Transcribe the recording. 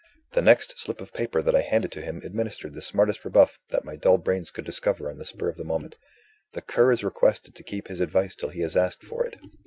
The next slip of paper that I handed to him administered the smartest rebuff that my dull brains could discover on the spur of the moment: "The Cur is requested to keep his advice till he is asked for it."